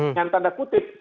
dengan tanda kutip